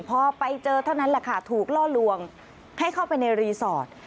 พอไปเจอเท่านั้นแหละค่ะถูกล่อลวงให้เข้าไปในรีสอร์ท